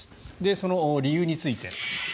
その理由について。